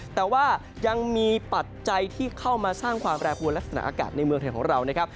แต่ว่ายังมีปัจจัยที่เข้ามาสร้างความแปรปวนลักษณะอากาศในเมืองไทยของเรานะครับ